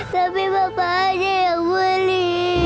tapi bapak aja yang beli